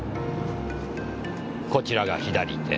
こちらが左手。